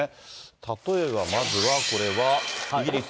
例えば、まずはこれはイギリス。